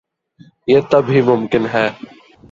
یہ تب ہی ممکن ہے۔